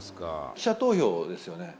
記者投票ですよね。